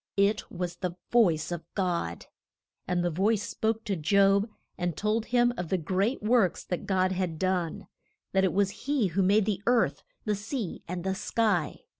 It was the voice of God. And the voice spoke to Job and told him of the great works that God had done; that it was he who made the earth, the sea, and the sky.